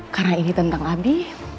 karena ini tentang abi